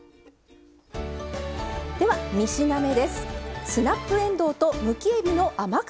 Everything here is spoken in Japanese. では３品目です。